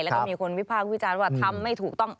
แล้วก็มีคนวิพากษ์วิจารณ์ว่าทำไม่ถูกต้อง